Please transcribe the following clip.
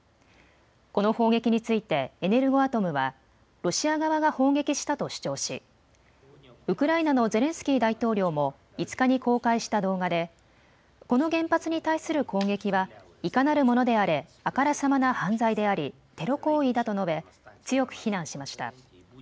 この砲撃についてエネルゴアトムはロシア側が砲撃したと主張しウクライナのゼレンスキー大統領も５日に公開した動画でこの原発に対する攻撃はいかなるものであれあからさまな犯罪でありテロ行為だと述べ強く非難しました。